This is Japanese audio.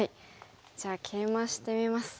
じゃあケイマしてみます。